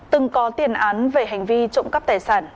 từng có tiền án về hành vi trộm cắp tài sản